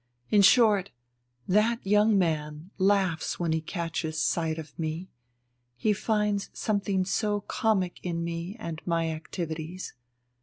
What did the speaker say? In short, that young man laughs when he catches sight of me, he finds something so comic in me and my activities.